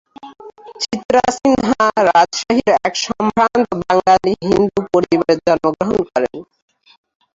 চিত্রা সিনহা রাজশাহীর এক সম্ভ্রান্ত বাঙালি হিন্দু পরিবারে জন্মগ্রহণ করেন।